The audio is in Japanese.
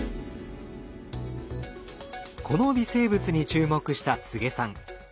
この微生物に注目した柘植さん。